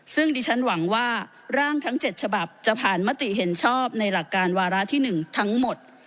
ซึ่งดิฉันหวังว่าร่างทั้ง๗ฉบับจะผ่านมติเห็นชอบในหลักการวาระที่๑ทั้งหมด